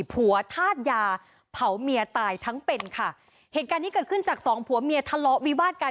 ผัวธาตุยาเผาเมียตายทั้งเป็นค่ะเหตุการณ์นี้เกิดขึ้นจากสองผัวเมียทะเลาะวิวาดกัน